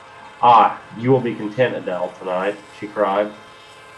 "Ah, you will be content, Adele, tonight," she cried.